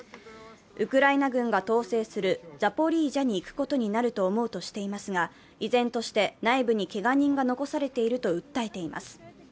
ウクライナ軍が統制するザポリージャに行くことになると思うとしていますが依然として内部にけが人が残されていると訴えています。